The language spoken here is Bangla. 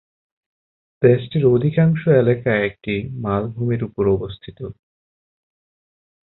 দেশটির অধিকাংশ এলাকা একটি মালভূমির উপর অবস্থিত।